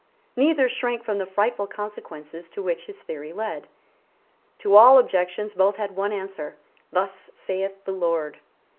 Neither shrank from the frightful consequences to which his theory led. To all objections both had one answer, Thus saith the Lord.